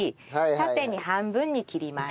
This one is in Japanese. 縦に半分に切ります。